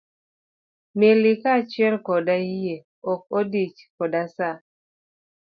meli kaa achiel koda yie ok odich koda sa.